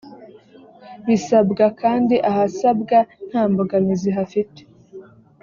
bisabwa kandi ahasabwa nta mbogamizi hafite